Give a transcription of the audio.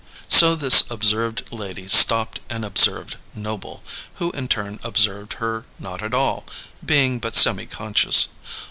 "_] So this observed lady stopped and observed Noble, who in return observed her not at all, being but semi conscious.